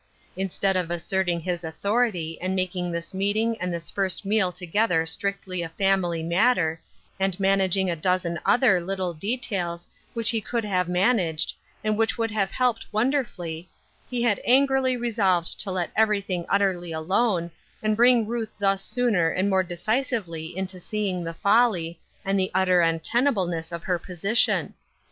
In stead of asserting his authority, and making this meeting and this first meal together strictly a family matter, and managing a dozen other little details which he could have managed, and which would have helped wonderfully, he had angrily resolved to let everything utterly alone, and bring Ruth thus sooner and more decisively to seeing the folly, and the utter untenableness of her position.